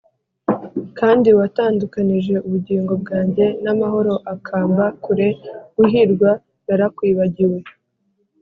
Kandi watandukanije ubugingo bwanjye, N’amahoro akamba kure, Guhirwa narakwibagiwe.